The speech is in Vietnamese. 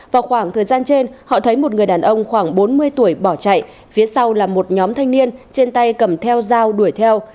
bên trên họ thấy một người đàn ông khoảng bốn mươi tuổi bỏ chạy phía sau là một nhóm thanh niên trên tay cầm theo dao đuổi theo